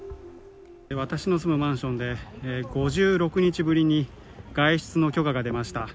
私の住むマンションで５６日ぶりに外出の許可が出ました。